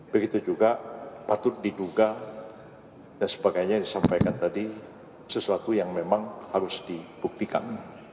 begitu juga patut diduga dan sebagainya yang disampaikan tadi sesuatu yang memang harus dibuktikan